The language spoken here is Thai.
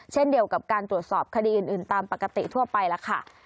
เช่นเดียวกับการตรวจสอบคดีอื่นตามปกติทั่วไปแล้วค่ะ